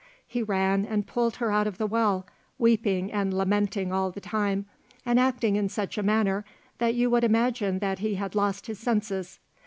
He ran and pulled her out of the well, weeping and lamenting all the time, and acting in such a manner that you would imagine that he had lost his senses.